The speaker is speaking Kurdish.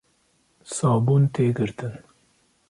Sabûn tê girtin